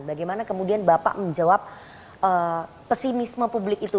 bagaimana kemudian bapak menjawab pesimisme publik itu